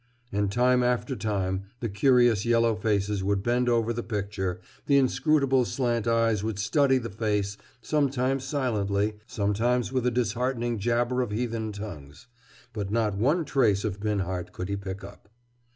And time after time the curious yellow faces would bend over the picture, the inscrutable slant eyes would study the face, sometimes silently, sometimes with a disheartening jabber of heathen tongues. But not one trace of Binhart could he pick up.